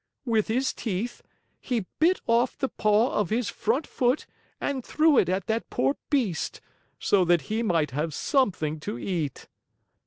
With his teeth, he bit off the paw of his front foot and threw it at that poor beast, so that he might have something to eat."